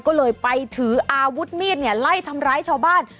ก็เลยไปถืออาวุธมีดเนี่ยไล่ทำร้ายชาวบ้าน